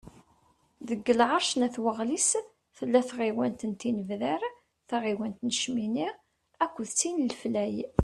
Deg lεerc n At Waɣlis, tella tɣiwant n Tinebdar, taɣiwant n Cmini, akked tin n Leflay.